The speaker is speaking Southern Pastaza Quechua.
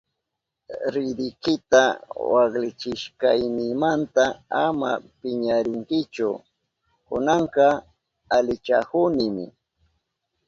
Ridikita waklichishkaynimanta ama piñarinkichu, kunanka alichahunimi.